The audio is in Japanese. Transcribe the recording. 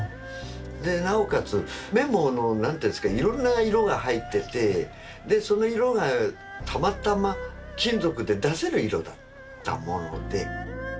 でなおかつ目も何ていうんですかいろんな色が入っててでその色がたまたま金属で出せる色だったもので。